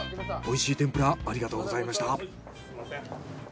おいしい天ぷらありがとうございました。